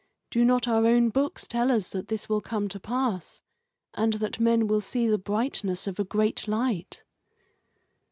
Do not our own books tell us that this will come to pass, and that men will see the brightness of a great light?"